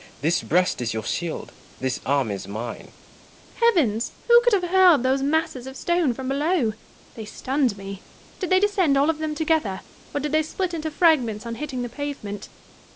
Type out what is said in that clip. This breast is your shield ; this arm is mine. Joanna. Heavens ! who could have hurled those masses of stone from below '? they stunned me. Did they descend all of them together ; or did they split into fragments on hitting the pavement ? Gaunt.